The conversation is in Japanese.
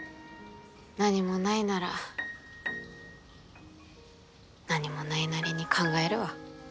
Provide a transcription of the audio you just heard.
何もないなら何もないなりに考えるわ。